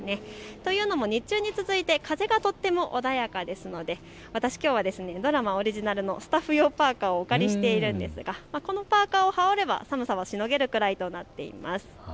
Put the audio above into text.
というのも日中に続いて風がとても穏やかですので私きょうはドラマオリジナルのスタッフ用パーカーをお借りしているんですが、このパーカーを羽織れば寒さをしのげるくらいとなっています。